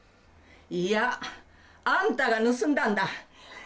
いやあんたが盗んだんだ。